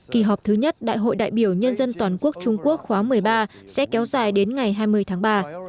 kỳ họp thứ nhất đại hội đại biểu nhân dân toàn quốc trung quốc khóa một mươi ba sẽ kéo dài đến ngày hai mươi tháng ba